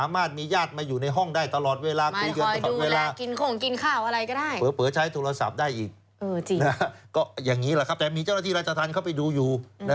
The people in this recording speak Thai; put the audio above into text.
แบบนี้เจ้าหน้าที่ราชธรรมเข้าไปดูอยู่